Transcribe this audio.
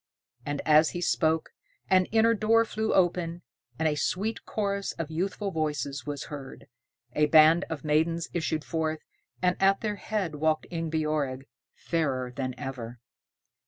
And as he spoke, an inner door flew open, and a sweet chorus of youthful voices was heard. A band of maidens issued forth, and at their head walked Ingebjorg, fairer than ever.